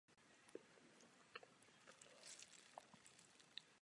V důchodu se odstěhoval do Sydney.